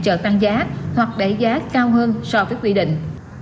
chợ tăng giá hoặc đẩy giá cao hơn so với quy định